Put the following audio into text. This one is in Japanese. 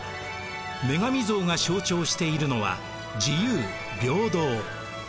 女神像が象徴しているのは「自由」「平等」。